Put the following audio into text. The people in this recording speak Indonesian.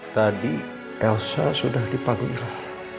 tadi elsa sudah dipanggil